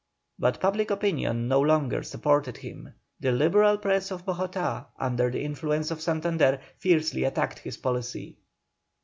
But public opinion no longer supported him; the Liberal press of Bogotá, under the influence of Santander, fiercely attacked his policy.